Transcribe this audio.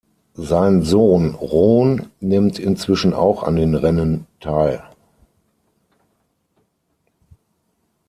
Sein Sohn Rohn nimmt inzwischen auch an den Rennen teil.